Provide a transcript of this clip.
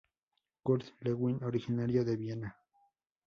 Kurt Lewin, originario de Viena.